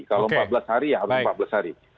kalau empat belas hari ya harus empat belas hari